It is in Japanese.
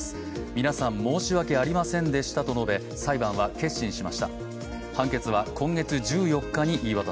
皆さん、申し訳ありませんでしたと述べ裁判は結審しました。